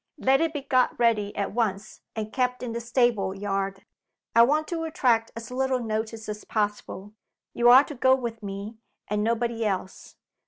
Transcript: Let it be got ready at once and kept in the stable yard. I want to attract as little notice as possible. You are to go with me, and nobody else.